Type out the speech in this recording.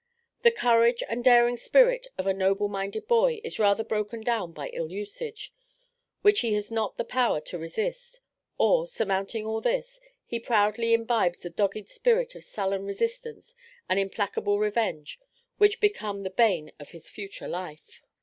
The courage and daring spirit of a noble minded boy is rather broken down by ill usage, which he has not the power to resist, or, surmounting all this, he proudly imbibes a dogged spirit of sullen resistance and implacable revenge, which become the bane of his future life.